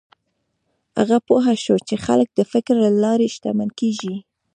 هغه پوه شو چې خلک د فکر له لارې شتمن کېږي.